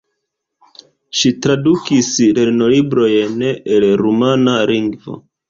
Ŝi tradukis lernolibrojn el rumana lingvo.